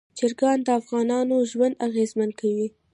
چرګان د افغانانو ژوند اغېزمن کوي.